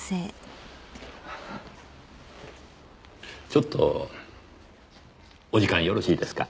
ちょっとお時間よろしいですか？